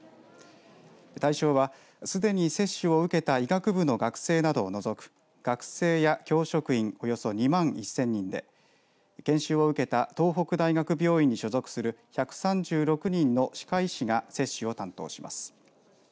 対象は、すでに接種を受けた医学部の学生などを除く学生や教職員およそ２万１０００人で研修を受けた東北大学病院に所属する１３６人の歯科医師が接種を担当します。